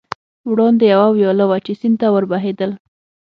وړاندې یوه ویاله وه، چې سیند ته ور بهېدل.